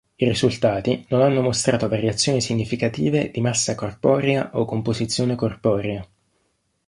I risultati non hanno mostrato variazioni significative di massa corporea o composizione corporea.